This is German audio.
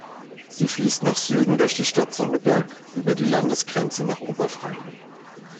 Sie fließt nach Süden durch die Stadt Sonneberg über die Landesgrenze nach Oberfranken.